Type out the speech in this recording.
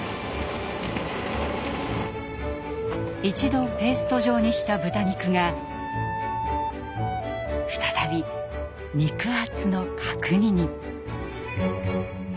一度ペースト状にした豚肉が再び肉厚の角煮に！